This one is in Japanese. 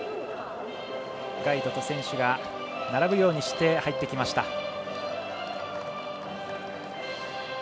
ガイドと選手が並ぶようにして入ってきました。